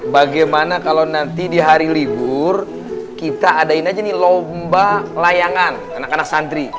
bagaimana kalau nanti di hari libur kita adain aja nih lomba layangan anak anak santri